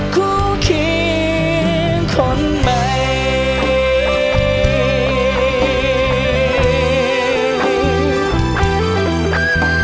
คู่ครีมคนใหม่